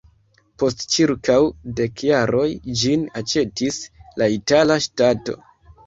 Post ĉirkaŭ dek jaroj ĝin aĉetis la itala ŝtato.